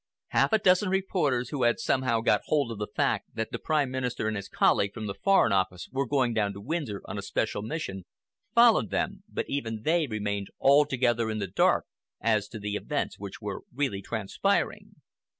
Half a dozen reporters, who had somehow got hold of the fact that the Prime Minister and his colleague from the Foreign Office were going down to Windsor on a special mission, followed them, but even they remained altogether in the dark as to the events which were really transpiring.